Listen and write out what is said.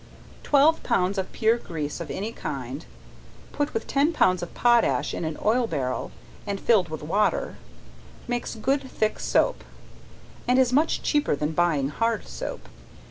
Twelve pounds of pure grease of any kind, put with ten pounds of potash in an oil barrel, and filled with water, makes good thick soap, and is much cheaper than buying hard soap.